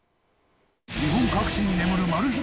日本各地に眠るマル秘